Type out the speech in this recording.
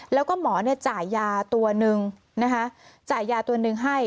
แล้วก็หมอจ่ายยาตัวนึงให้